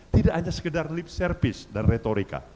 tidak hanya sekedar lip service dan retorika